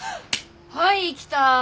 はい来た。